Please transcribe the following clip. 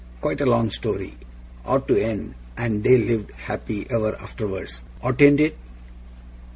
Quite a long story. Ought to end "and they lived happy ever afterwards"; oughtn't it?